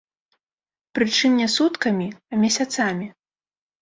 Прычым не суткамі, а месяцамі.